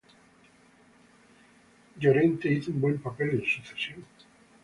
Llorente hizo un buen papel en su cesión.